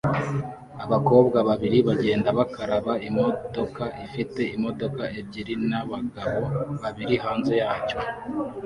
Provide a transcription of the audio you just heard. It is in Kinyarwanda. Abakobwa babiri bagenda bakaraba imodoka ifite imodoka ebyiri nabagabo babiri hanze yacyo